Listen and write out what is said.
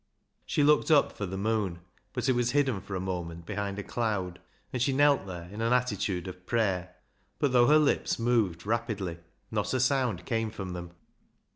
She looked up for the moon, but it was hidden for a moment behind a cloud, and she knelt there in an attitude of prayer, but though her lips moved rapidly, not a sound came from them.